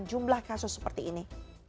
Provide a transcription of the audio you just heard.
jumlah kasus seperti ini